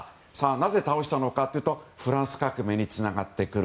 なぜ倒したのかというとフランス革命につながってくる。